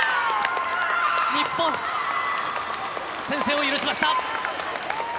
日本、先制を許しました。